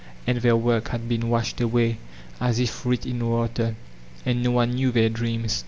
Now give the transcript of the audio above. And their work had been washed away, as if writ in water, and no one knew their dreams.